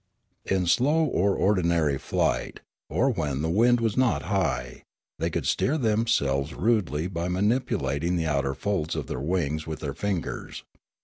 In slow or ordinary flight, or when the wind was not high, they could steer themselves rudely by manipu lating the outer folds of their wings with their fingers.